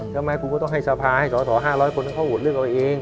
ทำไมคุณก็ต้องให้สภาให้สอสอ๕๐๐คนเขาโหวตเรื่องเอาเอง